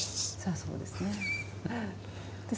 そうですね。